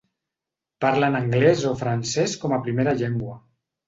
Parlen anglès o francès com a primera llengua.